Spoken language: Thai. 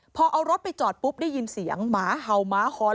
พอเอารถไปจอดปุ๊บได้ยินเสียงหมาเห่าหมาหอน